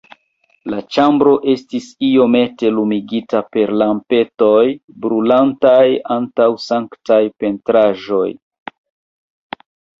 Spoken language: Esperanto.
La ĉambro estis iomete lumigata per lampetoj, brulantaj antaŭ sanktaj pentraĵoj.